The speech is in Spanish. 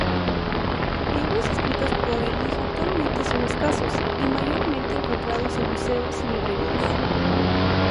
Libros escritos por Elling actualmente son escasos, y mayormente encontrados en museos y librerías.